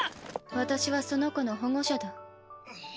私はその子の保護者だ